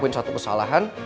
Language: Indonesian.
kalo ngelakuin satu kesalahan